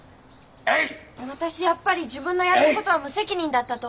私やっぱり自分のやったことは無責任だったと思う。